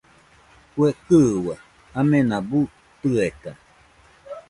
Kue kɨua amena buu tɨeka.